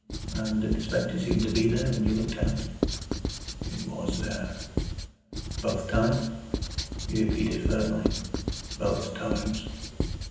"And did the spectre seem to be there, when you looked out?" "It WAS there." "Both times?" He repeated firmly: "Both times."